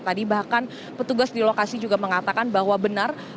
tadi bahkan petugas di lokasi juga mengatakan bahwa benar